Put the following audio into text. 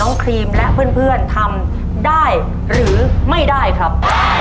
ครีมและเพื่อนทำได้หรือไม่ได้ครับ